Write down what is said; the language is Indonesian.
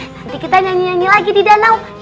nanti kita nyanyi nyanyi lagi di danau ya pak ustadz